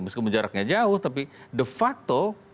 meskipun jaraknya jauh tapi de facto